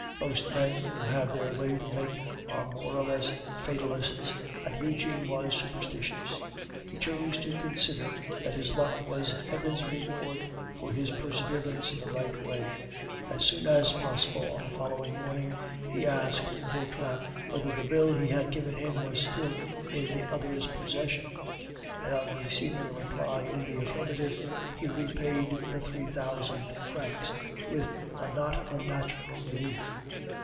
Most men who have their way to make are more or less of fatalists, and Eugene was superstitious; he chose to consider that his luck was heaven's reward for his perseverance in the right way. As soon as possible on the following morning he asked Vautrin whether the bill he had given was still in the other's possession; and on receiving a reply in the affirmative, he repaid the three thousand francs with a not unnatural relief.